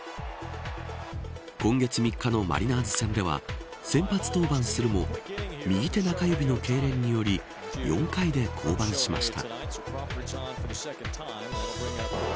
今月３日のマリナーズ戦では先発登板するも右手中指のけいれんにより４回で降板しました。